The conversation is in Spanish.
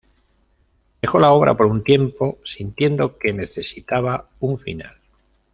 Dejó la obra por un tiempo, sintiendo que necesitaba un final.